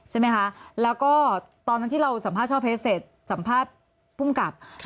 ใช่ไหมคะแล้วก็ตอนนั้นที่เราสัมภาษณ์ช่อเพชรเสร็จสัมภาษณ์ภูมิกับ